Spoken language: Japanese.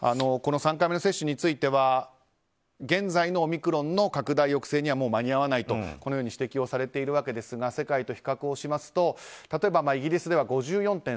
この３回目の接種については現在のオミクロンの拡大抑制にはもう間に合わないと指摘されているわけですが世界と比較しますと例えばイギリスでは５４．３％